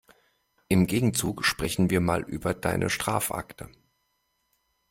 Im Gegenzug sprechen wir mal über deine Strafakte.